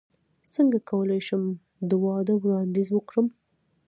څنګه کولی شم د واده وړاندیز وکړم